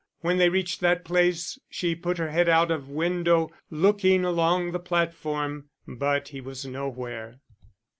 When they reached that place she put her head out of window, looking along the platform but he was nowhere.